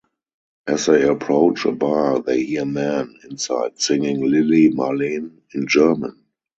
As they approach a bar they hear men inside singing "Lili Marleen" in German.